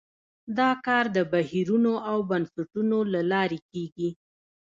دا کار د بهیرونو او بنسټونو له لارې کیږي.